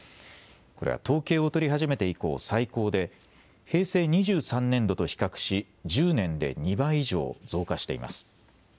これは統計を取り始めて以降、最高で平成２３年度と比較し１０年で２倍以上増加しています。